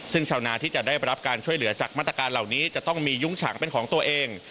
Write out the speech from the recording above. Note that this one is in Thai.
ซึ่งชาวนาที่จะได้รับการช่วยเหลือจากมาตรการเหล่านี้จะต้องมียุ้งฉางเป็นของตัวเอง